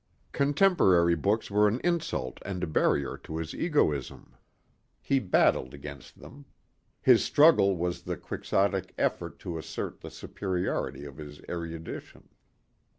Contemporary books were an insult and a barrier to his egoism. He battled against them. His struggle was the quixotic effort to assert the superiority of his erudition.